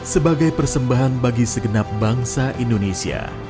sebagai persembahan bagi segenap bangsa indonesia